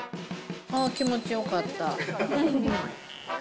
あー、気持ちよかった。